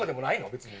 別に。